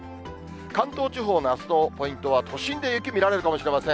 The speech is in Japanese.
関東地方のあすのポイントは、都心で雪見られるかもしれません。